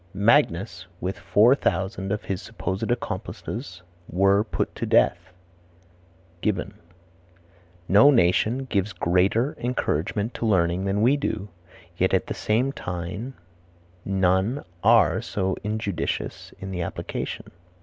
"Magnus, with four thousand of his supposed accomplices were put to death." Gibbon. "No nation gives greater encouragements to learning than we do; yet at the same time none are so injudicious in the application."